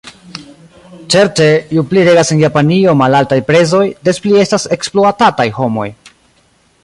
Certe: ju pli regas en Japanio malaltaj prezoj, des pli estas ekspluatataj homoj.